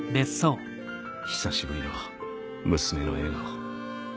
久しぶりの娘の笑顔。